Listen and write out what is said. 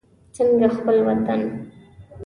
څنګه خپل وطن.